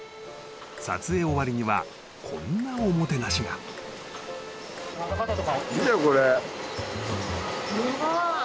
撮影終わりにはこんなおもてなしが・うわ！